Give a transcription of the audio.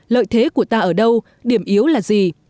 lợi thế của ta ở đâu điểm yếu là gì